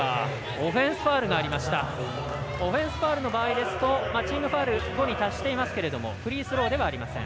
オフェンスファウルの場合ですとチームのファウル５に達していますがフリースローではありません。